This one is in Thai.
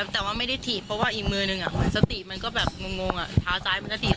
แต่ว่าไม่ได้ถีบเพราะว่าอีกมือนึงสติมันก็แบบงงเท้าซ้ายมันก็ถีบ